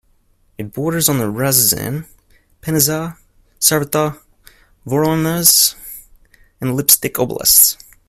It borders on the Ryazan, Penza, Saratov, Voronezh and Lipetsk Oblasts.